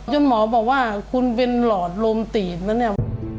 หมอบอกว่าคุณเป็นหลอดลมตีบนะเนี่ย